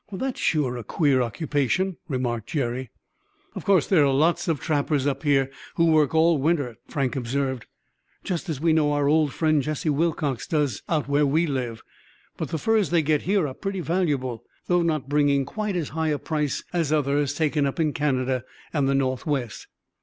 "That's sure a queer occupation," remarked Jerry. "Of course, there are lots of trappers up here who work all winter," Frank observed, "just as we know our old friend, Jesse Wilcox, does out where we live. But the furs they get here are pretty valuable, though not bringing quite as high a price as others taken up in Canada and the Northwest."